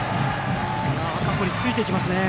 赤堀ついていきますね。